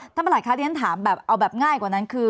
ท่านบริหารคาดิขันต์ถามเอาแบบง่ายกว่านั้นคือ